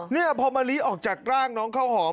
นี่พอมะลิออกจากร่างน้องข้าวหอม